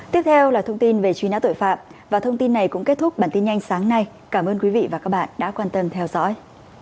tiếp theo là thông tin về truy nã tội phạm và thông tin này cũng kết thúc bản tin nhanh sáng nay cảm ơn quý vị và các bạn đã quan tâm theo dõi